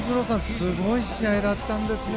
すごい試合だったんですね。